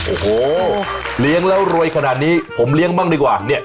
โอ้โหเลี้ยงแล้วรวยขนาดนี้ผมเลี้ยงบ้างดีกว่าเนี่ย